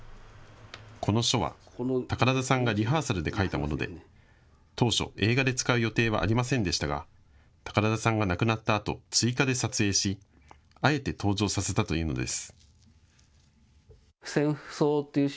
この書は宝田さんがリハーサルで書いたもので当初、映画で使う予定はありませんでしたが宝田さんが亡くなったあと追加で撮影しあえて登場させたというのです。